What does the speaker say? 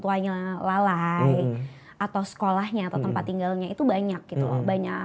tuanya lalai atau sekolahnya atau tempat tinggalnya itu banyak gitu loh banyak